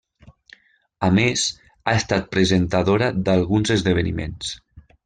A més, ha estat presentadora d'alguns esdeveniments.